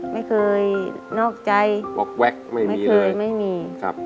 ไม่เคยนอกใจไม่เคยไม่มีครับว๊อกแว๊กไม่มี